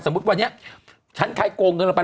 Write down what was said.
สมมุติวันนี้ชั้นใครโกงเงินลงไป